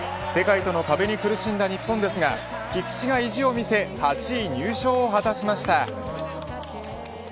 世界との壁に苦しんだ日本ですが菊池が意地を見せ８位入賞を見せました。